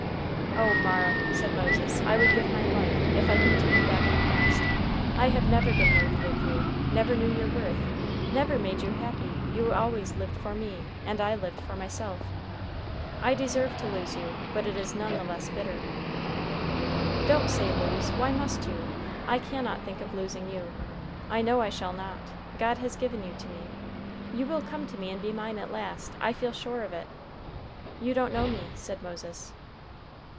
"Oh, Mara," said Moses, "I would give my life, if I could take back the past. I have never been worthy of you; never knew your worth; never made you happy. You always lived for me, and I lived for myself. I deserve to lose you, but it is none the less bitter." "Don't say lose. Why must you? I cannot think of losing you. I know I shall not. God has given you to me. You will come to me and be mine at last. I feel sure of it." "You don't know me," said Moses.